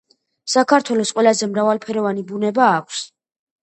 საქართველოს ყველაზე მრავალფეროვანი ბუნება აქვს